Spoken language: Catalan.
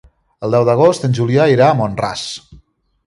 El deu d'agost en Julià irà a Mont-ras.